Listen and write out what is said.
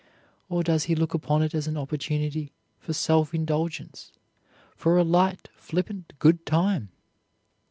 Or does he look upon it as an opportunity for self indulgence, for a light, flippant good time?